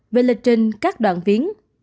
về lịch trình các đoạn viến